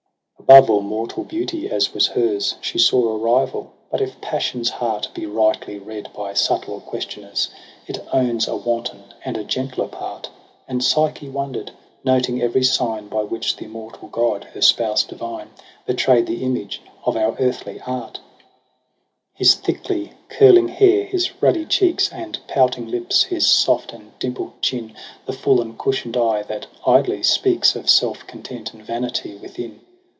ao Above all mortal beauty, as was hers. She saw a rival j but if passion's heart Be rightly read by subtle questioners. It owns a wanton and a gentler part. And Psyche wonder'd, noting every sign By which the immortal God, her spouse divine, Betray'd the image of our earthly art j JULY IZ9 ai His thickly curling hair, his ruddy cheeks. And pouting lips, his soft and dimpl'd chin. The full and cushion'd eye, that idly speaks Of self content and vanity within.